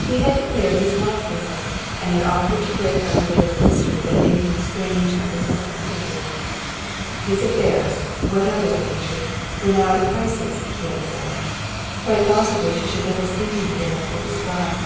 He had declared his love for her, and had offered to break down the veil of mystery that made him a strange and perplexing figure. His affairs, whatever their nature, were now at a crisis, he had said; quite possibly she should never see him again after this ride.